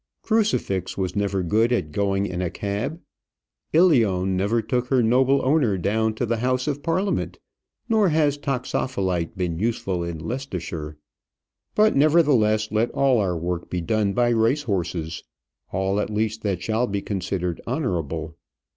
Crucifix was never good at going in a cab; Ilione never took her noble owner down to the house of Parliament; nor has Toxopholite been useful in Leicestershire. But, nevertheless, let all our work be done by race horses; all, at least, that shall be considered honourable.